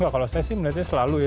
kalau saya sih melihatnya selalu ya